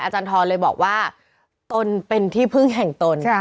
อาจารย์ทรเลยบอกว่าตนเป็นที่พึ่งแห่งตน